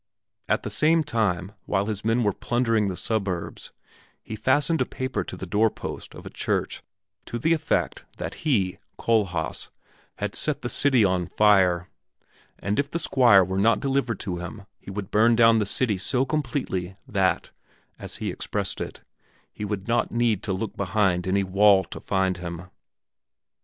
At the same time, while his men were plundering the suburbs, he fastened a paper to the door post of a church to the effect that "he, Kohlhaas, had set the city on fire, and if the Squire were not delivered to him he would burn down the city so completely that," as he expressed it, "he would not need to look behind any wall to find him."